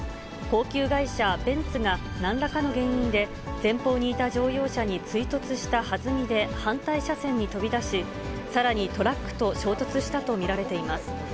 高級外車、ベンツがなんらかの原因で、前方にいた乗用車に追突したはずみで、反対車線に飛び出し、さらにトラックと衝突したと見られています。